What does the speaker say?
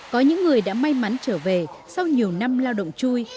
có những người đã may mắn trở về sau nhiều năm lao động chui